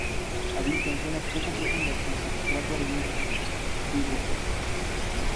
Habita en zonas poco profundas con substrato arenosos y rocosos.